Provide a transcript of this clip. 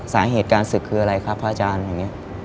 สาเหตุการศึกคืออะไรครับพระอาจารย์